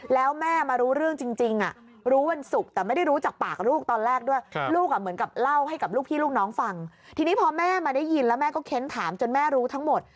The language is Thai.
เล่าให้กับลูกพี่ลูกน้องฟังทีนี้พอแม่มาได้ยินแล้วแม่ก็เค้นถามจนแม่รู้ทั้งหมด